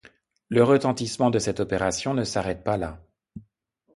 Le retentissement de cette opération ne s'arrête pas là.